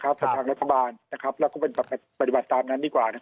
สำหรับทางรัฐบาลและก็เป็นปฏิบัติตามนั้นดีกว่า